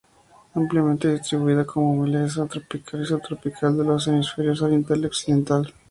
Ampliamente distribuida como maleza tropical y subtropical de los hemisferios oriental y occidental.